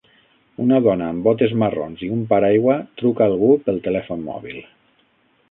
Una dona amb botes marrons i un paraigua truca algú pel telèfon mòbil.